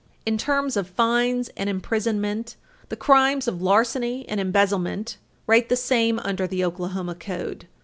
In terms of fines and imprisonment, the crimes of larceny and embezzlement rate the same under the Oklahoma code.